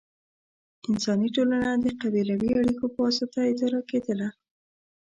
انساني ټولنه د قبیلوي اړیکو په واسطه اداره کېدله.